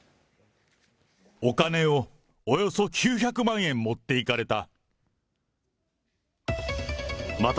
お金を、およそ９００万円持っていかれた。